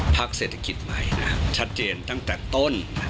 เศรษฐกิจใหม่ชัดเจนตั้งแต่ต้น